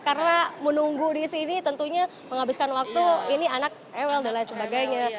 karena menunggu di sini tentunya menghabiskan waktu ini anak ewel dan lain sebagainya